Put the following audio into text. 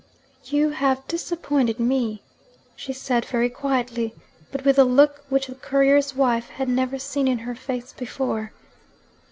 'You have disappointed me,' she said very quietly, but with a look which the courier's wife had never seen in her face before.